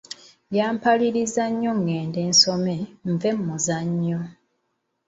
Yampaliriza nnyo ng'ende nsome, nve mumuzannyo.